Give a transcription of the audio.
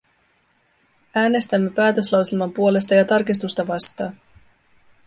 Äänestämme päätöslauselman puolesta ja tarkistusta vastaan.